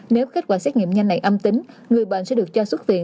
nếu kết quả xét nghiệm nhanh này âm tính người bệnh sẽ được cho xuất viện